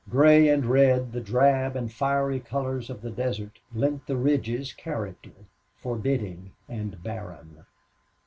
Gray and red, the drab and fiery colors of the desert lent the ridges character forbidding and barren.